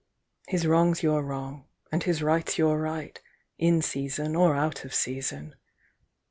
His wrong's your wrong, and his right's your right, In season or out of season.